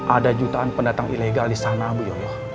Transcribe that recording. ada jutaan pendatang ilegal di sana bu yaya